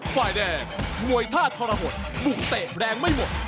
ฝ่ายแดงมวยท่าทรหดบุกเตะแรงไม่หมด